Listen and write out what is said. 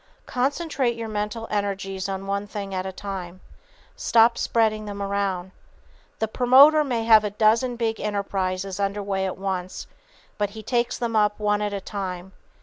Concentrate your mental energies on one thing at a time. Stop spreading them around. The promoter may have a dozen big enterprises under way at once, but he takes them up one at a time.